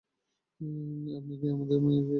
আপনি আমাদের মায়ের কি করেছেন?